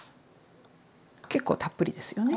結構たっぷりですよね。